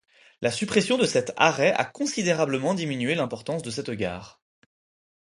La suppression de cet arrêt a considérablement diminué l'importance de cette gare.